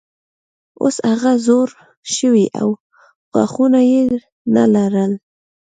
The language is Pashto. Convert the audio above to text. اوس هغه زوړ شوی و او غاښونه یې نه لرل.